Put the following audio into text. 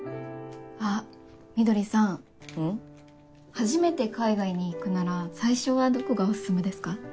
初めて海外に行くなら最初はどこがお勧めですか？